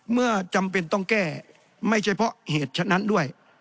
เมื่อจำเป็นต้องแก้ไม่เฉพาะเหตุฉะนั้นด้วย